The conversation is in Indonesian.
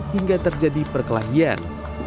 hingga terjadi perkelahian